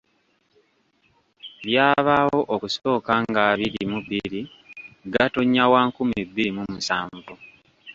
Byabaawo okusooka ng'abiri mu bbiri Gatonnya wa nkumi bbiri mu musanvu.